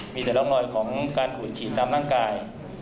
มีแต่ร่องรอยของการขูดฉีดตามร่างกาย